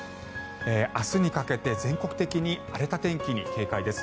明日にかけて全国的に荒れた天気に警戒です。